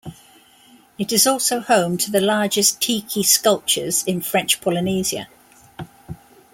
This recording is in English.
It is also home to the largest tiki sculptures in French Polynesia.